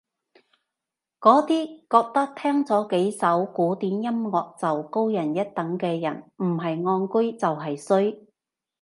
嗰啲覺得聽咗幾首古典音樂就高人一等嘅人唔係戇居就係衰